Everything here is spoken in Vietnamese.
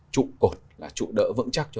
trụ cột trụ đỡ vững chắc cho